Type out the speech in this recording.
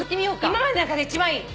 今までの中で一番いい！